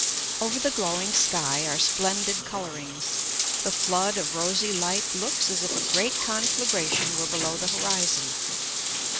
Over the glowing sky are splendid colourings. The flood of rosy light looks as if a great conflagration were below the horizon.